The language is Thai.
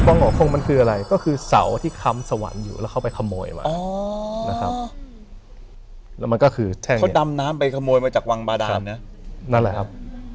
มันก็คือแท่งเขาดำน้ำน้ำไปขโมยมาจากวังบาดาลไงนะนั่นแหละครับ